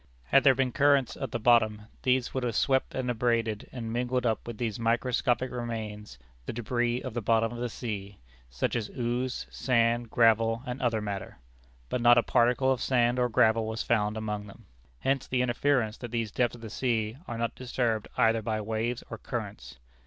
Had there been currents at the bottom, these would have swept and abraded and mingled up with these microscopic remains the débris of the bottom of the sea, such as ooze, sand, gravel, and other matter; but not a particle of sand or gravel was found among them. Hence the inference that these depths of the sea are not disturbed either by waves or currents.